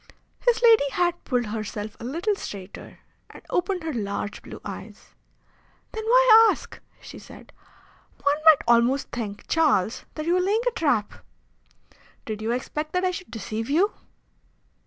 His lady had pulled herself a little straighter and opened her large blue eyes. "Then why ask?" she said. "One might almost think, Charles, that you were laying a trap! Did you expect that I should deceive you?